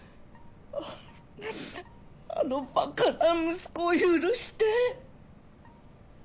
あのバカな息子を許して。